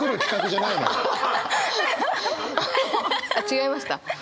違いました？